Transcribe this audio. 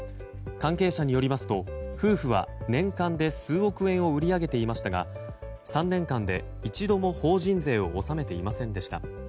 関係者によりますと夫婦は年間で数億円を売り上げていましたが３年間で一度も法人税を納めていませんでした。